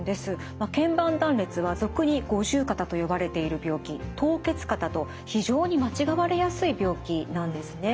まあけん板断裂は俗に五十肩と呼ばれている病気凍結肩と非常に間違われやすい病気なんですね。